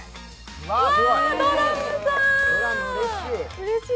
うれしい。